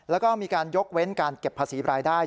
แล้วก็มีการยกเว้นการเก็บภาษีรายได้